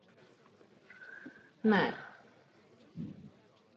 Na stavbu modlitebny se tehdy použil nejlevnější dostupný materiál.